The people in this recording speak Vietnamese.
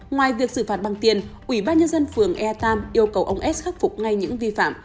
ngoài việc xử phạt bằng tiền ủy ban nhân dân phường e tam yêu cầu ông s khắc phục ngay những vi phạm